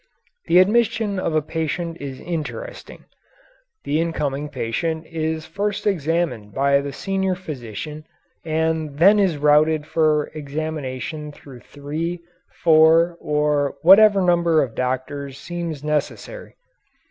The admission of a patient is interesting. The incoming patient is first examined by the senior physician and then is routed for examination through three, four, or whatever number of doctors seems necessary.